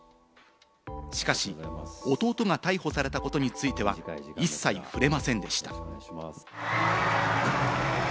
しかし弟が逮捕されたことについては一切触れませんでした。